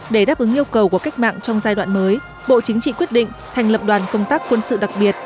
để đáp ứng yêu cầu của cách mạng trong giai đoạn mới bộ chính trị quyết định thành lập đoàn công tác quân sự đặc biệt